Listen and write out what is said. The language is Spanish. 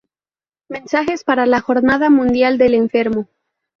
Mensajes para la Jornada Mundial del Enfermo